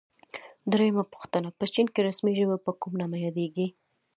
درېمه پوښتنه: په چین کې رسمي ژبه په کوم نامه یادیږي؟